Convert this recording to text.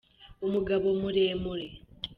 umugabo muremure